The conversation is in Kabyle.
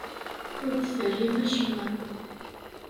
Ur d-terrim acemma.